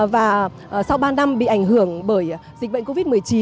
và sau ba năm bị ảnh hưởng bởi dịch bệnh covid một mươi chín